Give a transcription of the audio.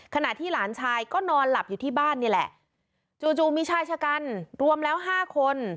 ขณะที่หลานชายก็นอนหลับอยู่ที่บ้านนี่แหละจู่จู่มีชายชะกันรวมแล้วห้าคน